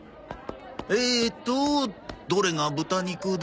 えっとどれが豚肉だ？